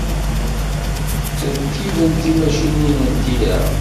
Ttṛekkibent timacinin n tira.